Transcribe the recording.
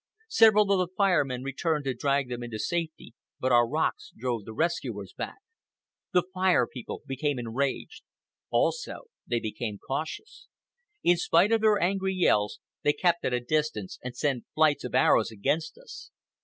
Several of the Fire Men returned to drag them into safety, but our rocks drove the rescuers back. The Fire People became enraged. Also, they became cautious. In spite of their angry yells, they kept at a distance and sent flights of arrows against us.